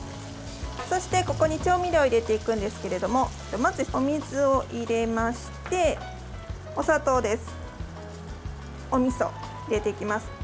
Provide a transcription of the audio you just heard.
そして、ここに調味料を入れていくんですけれどもまずお水を入れましてお砂糖です。